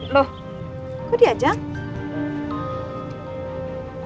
loh kok diajak